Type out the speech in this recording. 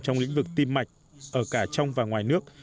trong lĩnh vực tim mạch ở cả trong và ngoài nước